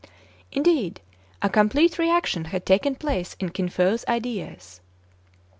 Indeed, a complete re action had taken place in Kin Fo's ideas.